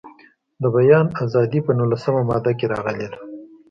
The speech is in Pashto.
د بیان ازادي په نولسمه ماده کې راغلې ده.